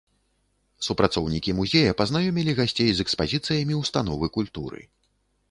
Супрацоўнікі музея пазнаёмілі гасцей з экспазіцыямі ўстановы культуры.